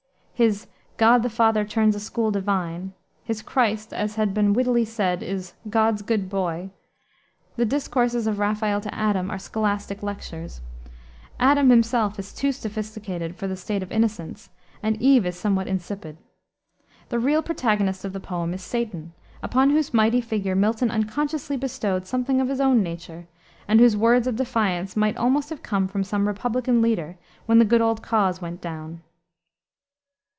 His "God the father turns a school divine:" his Christ, as has been wittily said, is "God's good boy:" the discourses of Raphael to Adam are scholastic lectures: Adam himself is too sophisticated for the state of innocence, and Eve is somewhat insipid. The real protagonist of the poem is Satan, upon whose mighty figure Milton unconsciously bestowed something of his own nature, and whose words of defiance might almost have come from some Republican leader when the Good Old Cause went down.